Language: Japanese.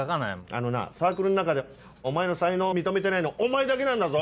あのなサークルん中でお前の才能を認めてないのお前だけなんだぞ！